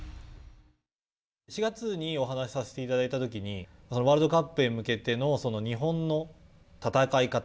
４月にお話しさせていただいたときに、ワールドカップへ向けての日本の戦い方